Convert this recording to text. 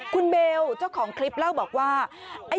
คุณเบลเจ้าของคลิปเล่าบอกว่า